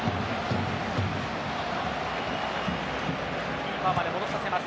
キーパーまで戻させます。